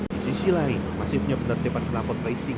di sisi lain masifnya penertipan kenalpot racing